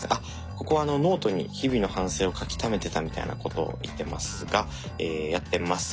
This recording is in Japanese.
ここはノートに日々の反省を書きためてたみたいなことを言ってますがやってません。